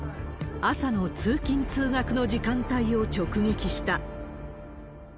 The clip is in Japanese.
朝の通勤・通学の時間帯を直撃した。